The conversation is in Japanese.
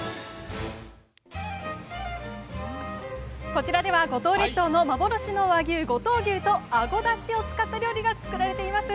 こちらでは五島列島の幻の和牛五島牛とあごだしを使った料理が作られています。